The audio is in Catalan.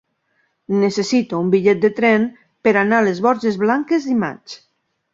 Necessito un bitllet de tren per anar a les Borges Blanques dimarts.